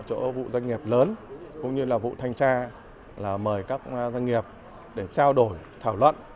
chỗ vụ doanh nghiệp lớn cũng như là vụ thanh tra là mời các doanh nghiệp để trao đổi thảo luận